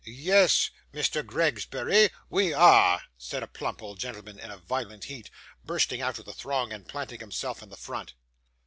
'Yes, Mr. Gregsbury, we are,' said a plump old gentleman in a violent heat, bursting out of the throng, and planting himself in the front.